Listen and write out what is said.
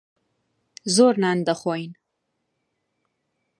زۆر نان دەخۆین.